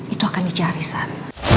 itu akan dicari sahab